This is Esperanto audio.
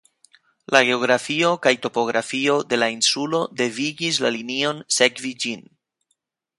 La geografio kaj topografio de la insulo devigis la linion sekvi ĝin.